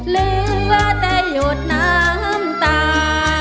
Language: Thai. เหลือแต่หยดน้ำตา